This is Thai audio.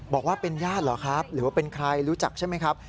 บอกว่าเป็นญาติหรือเป็นใครรู้จักใช่ไหมครับ